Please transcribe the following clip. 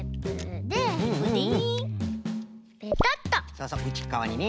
そうそううちっかわにね。